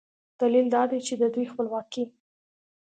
دلیل دا دی چې د دوی خپلواکي